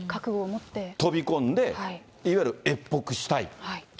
飛び込んで、いわゆる越北したい。